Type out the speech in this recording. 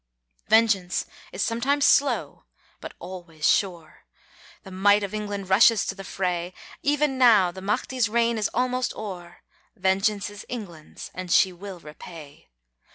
Vengeance is sometimes slow but always sure, The might of England rushes to the fray, Even now the Mahdi's reign is almost o'er; Vengeance is England's, and she will repay.